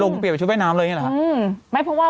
ลงเตรียมไปชุดแว่นน้ำเลยนี่เหรอครับ